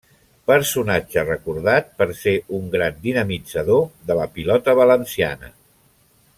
Personatge recordat per ser un gran dinamitzador de la Pilota valenciana.